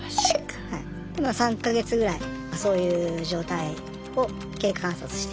３か月ぐらいそういう状態を経過観察して。